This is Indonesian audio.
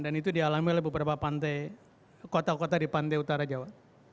dan itu dialami oleh beberapa kota kota di pantai utara jawa